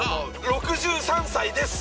６３歳です！